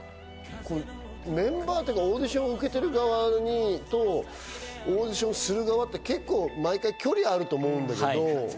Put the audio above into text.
メンバーっていうかオーディションを受けてる側とオーディションする側って毎回距離があると思うんですけど。